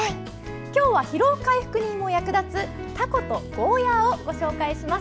今日は疲労回復にも役立つタコとゴーヤーをご紹介します。